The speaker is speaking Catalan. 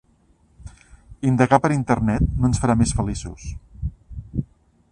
Indagar per Internet no ens farà més feliços.